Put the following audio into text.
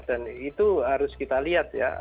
dan itu harus kita lihat ya